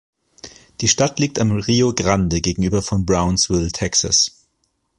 Die Stadt liegt am Rio Grande gegenüber von Brownsville, Texas.